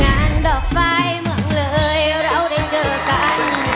งานดอกฝ่ายเมืองเลยเราได้เจอกัน